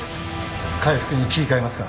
開腹に切り替えますか？